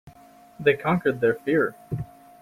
They conquered their fear.